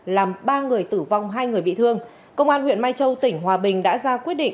làm ba người tử vong hai người bị thương công an huyện mai châu tỉnh hòa bình đã ra quyết định